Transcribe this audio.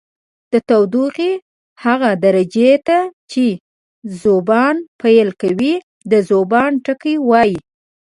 د تودوخې هغه درجې ته چې ذوبان پیل کوي د ذوبان ټکی وايي.